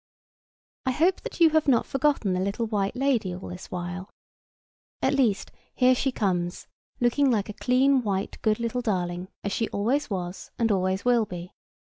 I hope that you have not forgotten the little white lady all this while. At least, here she comes, looking like a clean white good little darling, as she always was, and always will be.